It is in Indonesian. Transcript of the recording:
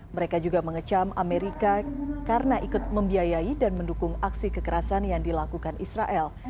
mereka juga mengecam amerika karena ikut membiayai dan mendukung aksi kekerasan yang dilakukan israel